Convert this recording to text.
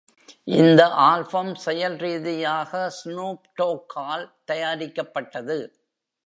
இந்த ஆல்பம் செயல் ரீதியாக ஸ்னூப் டோக்கால் தயாரிக்கப்பட்டது.